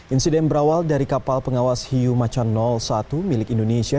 insiden berawal dari kapal pengawas hiu macan satu milik indonesia